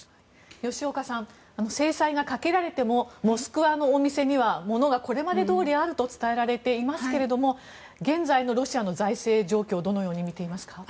吉岡さん制裁がかけられてもモスクワのお店にはものがこれまでどおりあると伝えられていますけれど現在のロシアの財政状況をどのように見ていますか？